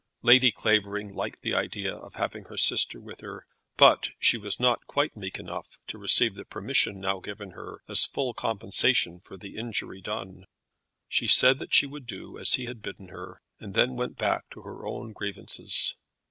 Lady Clavering liked the idea of having her sister with her, but she was not quite meek enough to receive the permission now given her as full compensation for the injury done. She said that she would do as he had bidden her, and then went back to her own grievances.